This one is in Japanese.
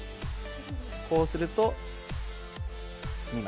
こうすると、２枚。